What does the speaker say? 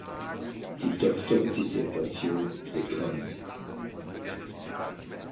Die Doktordissertation "De cond.